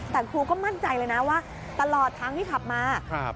แต่ครูก็มั่นใจเลยนะว่าตลอดทางที่ขับมา